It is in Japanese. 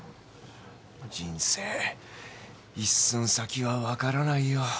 人生一寸先は分からないよ。